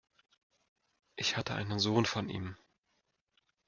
Ich hatte einen Sohn von ihm.